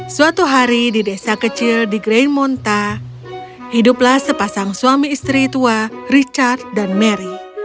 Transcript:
suatu hari di desa kecil di gray monta hiduplah sepasang suami istri tua richard dan mary